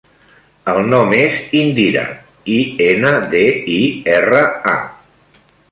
El nom és Indira: i, ena, de, i, erra, a.